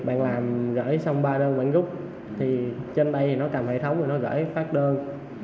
bạn làm gửi xong ba đơn bạn gốc thì trên đây nó cầm hệ thống thì nó gửi phát đơn